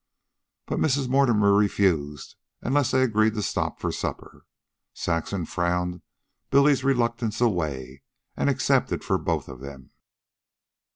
But Mrs. Mortimer refused unless they agreed to stop for supper. Saxon frowned Billy's reluctance away, and accepted for both of them.